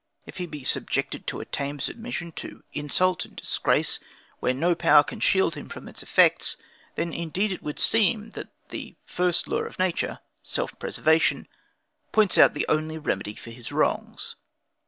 If he be subjected to a tame submission to insult and disgrace, where no power can shield him from its effects, then indeed it would seem, that the first law of nature, self preservation, points out the only remedy for his wrongs.